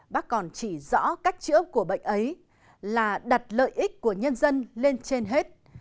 bác còn chỉ rõ cách chữa của bệnh ấy là đặt lợi ích của nhân dân lên trên hết